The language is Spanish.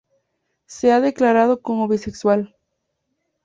Se ha declarado como bisexual.